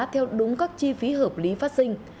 theo đúng các chi phí hợp lý phát sinh